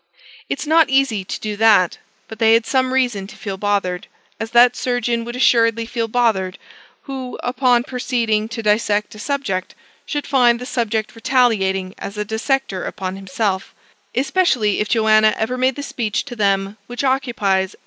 It's not easy to do that: but they had some reason to feel bothered, as that surgeon would assuredly feel bothered, who, upon proceeding to dissect a subject, should find the subject retaliating as a dissector upon himself, especially if Joanna ever made the speech to them which occupies v.